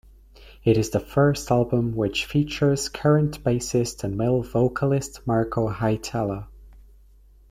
It is the first album which features current bassist and male vocalist Marco Hietala.